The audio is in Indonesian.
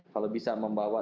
kalau bisa membawa